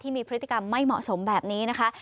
มีพฤติกรรมไม่เหมาะสมแบบนี้นะคะ